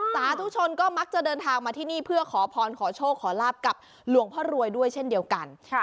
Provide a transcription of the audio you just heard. สาธุชนก็มักจะเดินทางมาที่นี่เพื่อขอพรขอโชคขอลาบกับหลวงพ่อรวยด้วยเช่นเดียวกัน